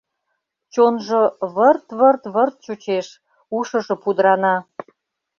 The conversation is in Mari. Чонжо вырт-вырт-вырт чучеш, ушыжо пудырана...